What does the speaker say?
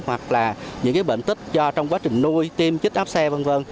hoặc là những bệnh tích do trong quá trình nuôi tiêm chích áp xe v v